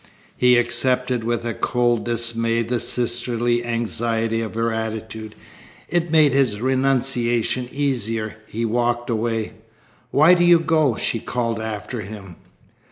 He accepted with a cold dismay the sisterly anxiety of her attitude. It made his renunciation easier. He walked away. "Why do you go?" she called after him.